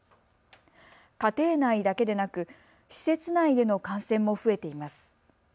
家庭内だけでなく施設内での感染も増えています。